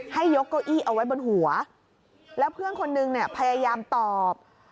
ให้ยกเก้าอี้เอาไว้บนหัวแล้วเพื่อนคนนึงเนี่ยพยายามตอบ